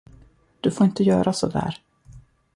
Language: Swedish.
Du får inte göra sådär!